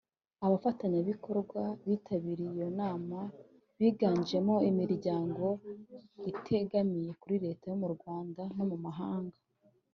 Abafatanyabikorwa bitabiriye iyo nama biganjemo imiryango itegamiye kuri Leta yo mu Rwanda no mu mahanga